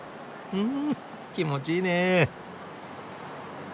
ん気持ちいいねえ。